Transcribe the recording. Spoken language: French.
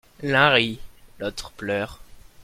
L'un rit, l'autre pleure.